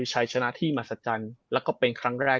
ชัยชนะที่มหัศจรรย์แล้วก็เป็นครั้งแรก